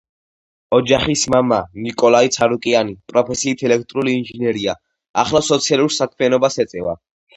ოჯახის მამა, ნიკოლაი ცარუკიანი, პროფესიით ელექტრული ინჟინერია; ახლა სოციალურ საქმიანობას ეწევა.